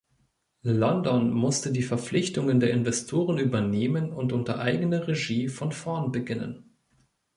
London musste die Verpflichtungen der Investoren übernehmen und unter eigener Regie von vorn beginnen.